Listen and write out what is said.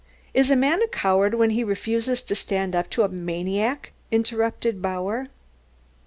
Is a man a coward when he refuses to stand up to a maniac?" interrupted Bauer.